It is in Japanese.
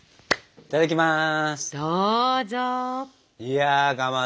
いただきます。